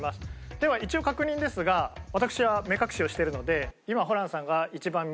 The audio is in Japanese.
では一応確認ですが私は目隠しをしてるので。